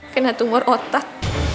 kena tumor otak